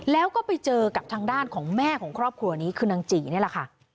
แล้วก็ไปเจอกับทางด้านของแม่ของครอบครัวนี้คือนางจีนี่แหละค่ะ